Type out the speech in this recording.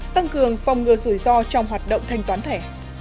tăng cường phòng ngừa rủi ro trong hoạt động thanh toán thẻ